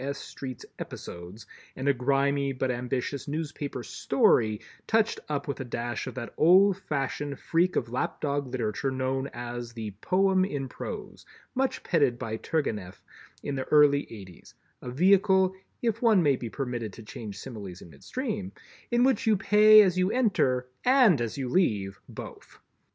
S. Street's "Episodes" and a grimy but ambitious newspaper "story" touched up with a dash of that old fashioned freak of lap dog literature known as the "Poem in Prose," much petted by Turgenieff in the early eighties, a vehicle—if one may be permitted to change similes in midstream—in which you pay as you enter and as you leave, both.